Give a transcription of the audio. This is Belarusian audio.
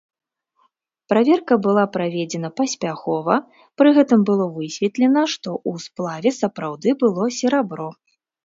Праверка была праведзена паспяхова, пры гэтым было высветлена, што ў сплаве сапраўды было серабро.